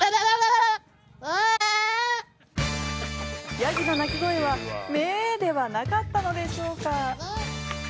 ヤギの鳴き声はメーではなかったのでしょうか。